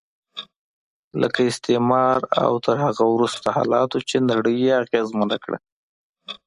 لکه استعمار او تر هغه وروسته حالاتو چې نړۍ یې اغېزمنه کړه.